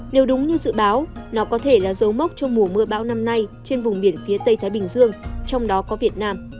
nếu đúng như dự báo nó có thể là dấu mốc trong mùa mưa bão năm nay trên vùng biển phía tây thái bình dương trong đó có việt nam